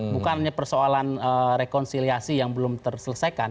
bukannya persoalan rekonsiliasi yang belum terselesaikan